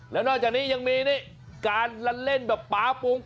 และนอกจากนี้ยังมีการเล่นแบบปาปง